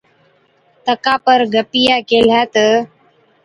تڪا پر گپِيئَي ڪيهلَي تہ،